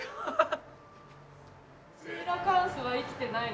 シーラカンスは生きてないです。